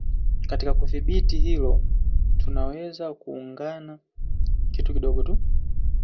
Katika kuthibitisha hili tunaweza kuangalia kitu kidogo tu